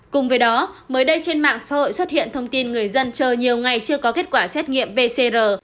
cùng với đó mới đây trên mạng xã hội xuất hiện thông tin người dân chờ nhiều ngày chưa có kết quả xét nghiệm pcr